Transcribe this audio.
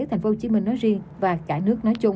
thành phố hồ chí minh nói riêng và cả nước nói chung